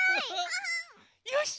よし！